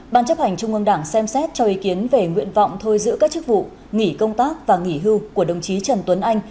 ba ban chấp hành trung ương đảng xem xét cho ý kiến về nguyện vọng thôi giữ các chức vụ nghỉ công tác và nghỉ hưu của đồng chí trần tuấn anh